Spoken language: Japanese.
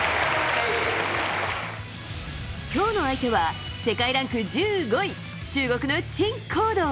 今日の相手は世界ランク１５位中国のチン・コウドウ。